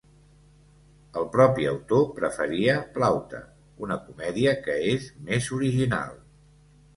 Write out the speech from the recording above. El propi autor preferia "Plaute", una comèdia, que és més original.